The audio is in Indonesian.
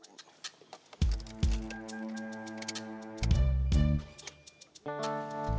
kalo itu udah nyobai gimana